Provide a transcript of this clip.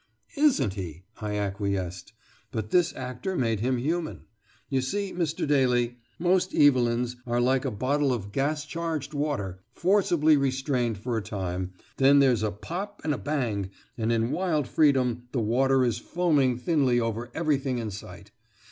"Isn't he?" I acquiesced, "but this actor made him human. You see, Mr. Daly, most Evelyns are like a bottle of gas charged water: forcibly restrained for a time, then there's a pop and a bang, and in wild freedom the water is foaming thinly over everything in sight.